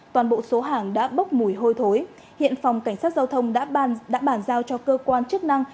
toàn bộ số hàng đã bốc mùi hôi thối hiện phòng cảnh sát giao thông đã bàn giao cho cơ quan chức năng